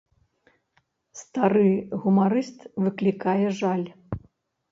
Стары гумарыст выклікае жаль.